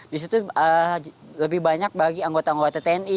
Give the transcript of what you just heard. di situ lebih banyak bagi anggota anggota tni